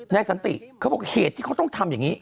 นายสันติเพื่อนพี่เขาบอกเหตุที่เขาทำอย่างนี้